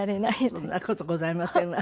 そんな事ございませんわ。